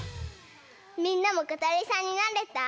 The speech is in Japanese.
みんなもことりさんになれた？